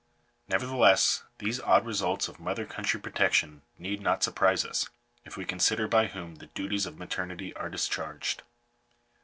Nevertheless, these odd results of mother country protection need not surprise us, if we consider by whom the duties of maternity are discharged.